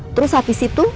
terus habis itu